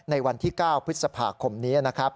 ในวันที่๙พฤษภาคมนี้นะครับ